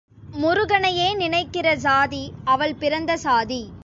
முருகனையே நினைக்கிற சாதி அவள் பிறந்த சாதி.